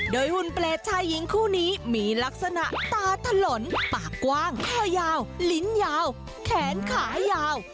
โดยหุ่นเปรตชายหญิงคู่นี้มีลักษณะตาถลนปากกว้างคอยาวลิ้นยาวแขนขายาว